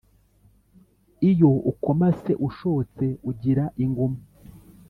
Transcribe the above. iyo ukomase ushotse ugira inguma.